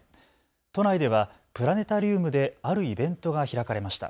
都内ではプラネタリウムであるイベントが開かれました。